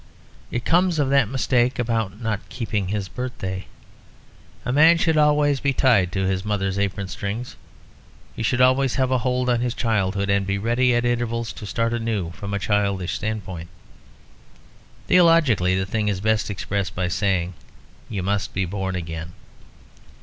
It all comes of that mistake about not keeping his birthday. A man should be always tied to his mother's apron strings; he should always have a hold on his childhood, and be ready at intervals to start anew from a childish standpoint. Theologically the thing is best expressed by saying, "You must be born again."